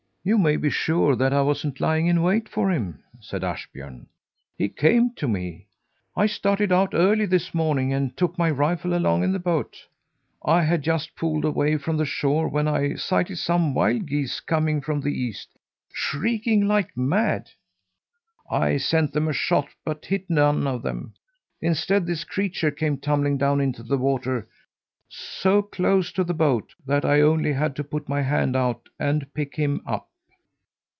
"You may be sure that I wasn't lying in wait for him!" said Ashbjörn. "He came to me. I started out early this morning and took my rifle along into the boat. I had just poled away from the shore when I sighted some wild geese coming from the east, shrieking like mad. I sent them a shot, but hit none of them. Instead this creature came tumbling down into the water so close to the boat that I only had to put my hand out and pick him up."